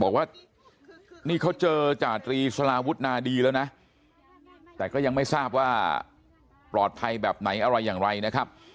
บอกว่านี่เขาเจอจาตรีสลาวุฒินาดีแล้วนะแต่ก็ยังไม่ทราบว่าปลอดภัยแบบไหนอะไรอย่างไรนะครับ